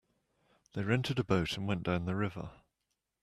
They rented a boat and went down the river.